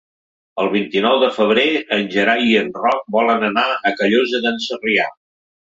El vint-i-nou de febrer en Gerai i en Roc volen anar a Callosa d'en Sarrià.